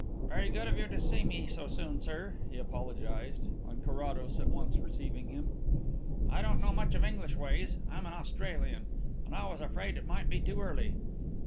"Very good of you to see me so soon, sir," he apologized, on Carrados at once receiving him. "I don't know much of English ways I'm an Australian and I was afraid it might be too early."